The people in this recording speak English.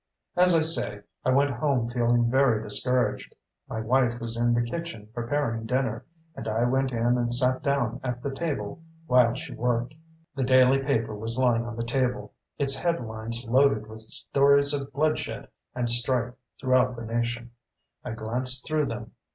As I say, I went home feeling very discouraged. My wife was in the kitchen preparing dinner, and I went in and sat down at the table while she worked. The daily paper was lying on the table, its headlines loaded with stories of bloodshed and strife throughout the nation. I glanced through them.